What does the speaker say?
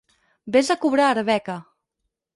Ves a cobrar a Arbeca!